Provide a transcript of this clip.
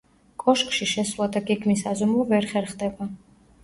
კოშკში შესვლა და გეგმის აზომვა ვერ ხერხდება.